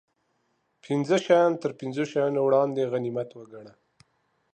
پنځه شیان تر پنځو شیانو وړاندې غنیمت و ګڼه